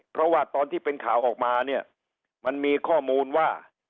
เพราะว่าตอนที่เป็นข่าวออกมาเนี่ยมันมีข้อมูลว่า